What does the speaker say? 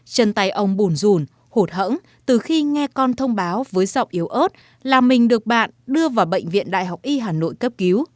chân tay ông bùn rùn hụt hẫng từ khi nghe con thông báo với giọng yếu ớt là mình được bạn đưa vào bệnh viện đại học y hà nội cấp cứu